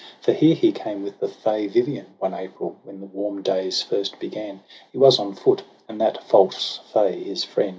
For here he came with the fay Vivian, One April, when the warm days first began; He was on foot, and that false fay, his friend.